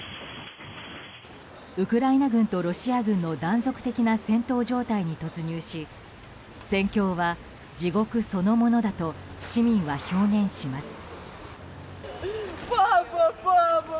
ウクライナ軍とロシア軍の断続的な戦闘状態に突入し戦況は地獄そのものだと市民は表現します。